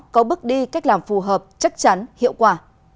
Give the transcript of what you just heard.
có bước đi cách làm phù hợp chắc chắn hiệu quả